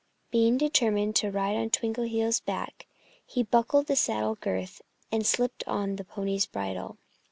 Being determined to ride on Twinkleheels' back, he buckled the saddle girth and slipped on the pony's bridle.